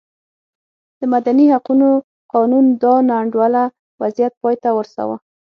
د مدني حقونو قانون دا نا انډوله وضعیت پای ته ورساوه.